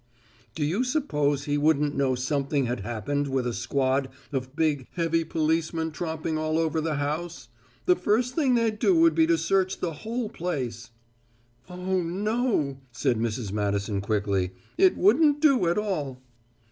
"Do you suppose he wouldn't know something had happened with a squad of big, heavy policemen tromping all over the house? The first thing they'd do would be to search the whole place " "Oh, no," said Mrs. Madison quickly. "It wouldn't do at all."